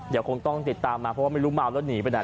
เดี๋ยวคงต้องติดตามมาเพราะว่าไม่รู้เมาแล้วหนีไปไหน